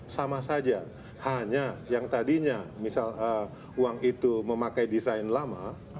sama saja hanya yang tadinya misal uang itu memakai desain lama